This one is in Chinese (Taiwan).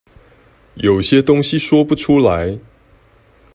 有些東西說不出來